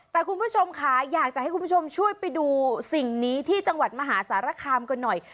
แต่คุณผู้ชมค่ะอยากจะให้คุณผู้ชมช่วยไปดูสิ่งนี้ที่จังหวัดมหาสารคามกันหน่อย